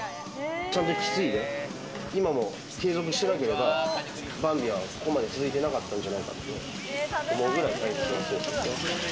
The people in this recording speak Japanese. ちゃんと引き継いで、今も継続していなければ、バンビはここまで続いてなかったんじゃないかと思うぐらい、大切なソースですね。